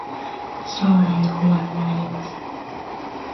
将来の不安があります